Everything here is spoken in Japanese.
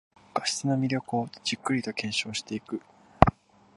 画質の魅力をじっくりと検証していく